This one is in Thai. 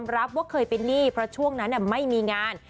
รับว่าเคยเป็นหนี้เพราะช่วงนั้นไม่มีงาน